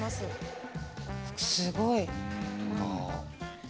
すごい！